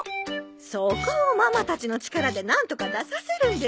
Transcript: そこをママたちの力でなんとか出させるんです。